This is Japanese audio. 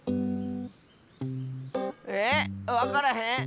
えっわからへん？